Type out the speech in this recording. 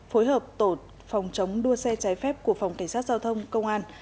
phối hợp tổ phòng chống đua xe trái phép của phòng cảnh sát giao thông công an